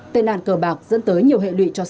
tệ nạn cờ bạc dẫn tới nhiều hệ lụy cho sát